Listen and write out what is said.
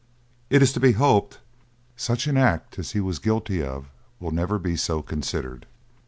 It is to be hoped, such an act as he was guilty of will never be so considered.